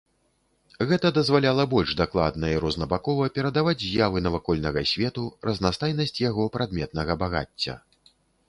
Гэта дазваляла больш дакладна і рознабакова перадаваць з'явы навакольнага свету, разнастайнасць яго прадметнага багацця.